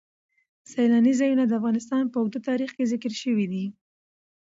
سیلانی ځایونه د افغانستان په اوږده تاریخ کې ذکر شوی دی.